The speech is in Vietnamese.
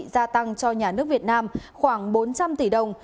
gia tăng cho nhà nước việt nam khoảng bốn trăm linh tỷ đồng